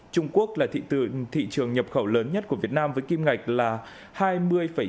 trung quốc là thị trường nhập khẩu lớn nhất của việt nam với kim ngạch là hai mươi chín